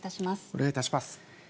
お願いいたします。